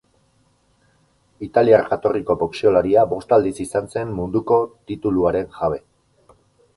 Italiar jatorriko boxeolaria bost aldiz izan zen munduko tituluaren jabe.